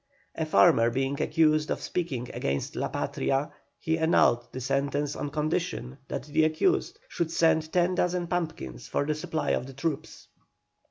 A farmer being accused of speaking against "La Patria," he annulled the sentence on condition that the accused should send ten dozen pumpkins for the supply of the troops.